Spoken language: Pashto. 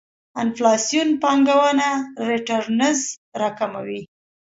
انفلاسیون پانګونه ريټرنز راکموي.